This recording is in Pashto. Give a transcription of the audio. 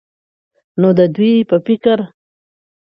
نو د دوي په فکر